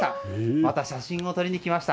また写真を撮りに来ました。